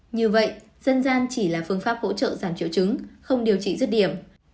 như vậy dân gian chỉ là phương pháp hỗ trợ giảm triệu trứng không điều trị dứt điểm